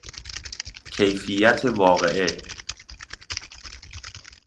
کیفیت واقعه